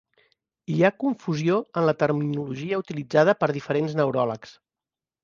Hi ha confusió en la terminologia utilitzada per diferents neuròlegs.